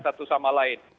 satu sama lain